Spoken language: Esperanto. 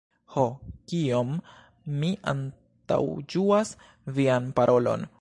Ho, kiom mi antaŭĝuas vian parolon!